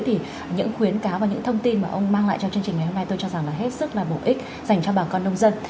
thì những khuyến cáo và những thông tin mà ông mang lại cho chương trình ngày hôm nay tôi cho rằng là hết sức là bổ ích dành cho bà con nông dân